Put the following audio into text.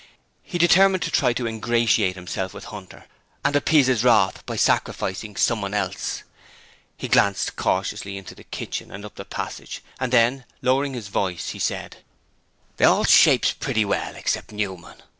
He determined to try to ingratiate himself with Hunter and appease his wrath by sacrificing someone else. He glanced cautiously into the kitchen and up the passage and then, lowering his voice, he said: 'They all shapes pretty well, except Newman.